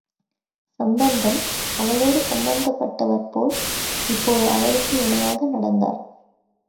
சம்பந்தம், அவளோடு சமபந்தப்பட்டவர்போல், இப்போது அவளுக்கு இணையாக நடந்தார்.